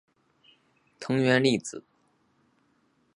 藤原丽子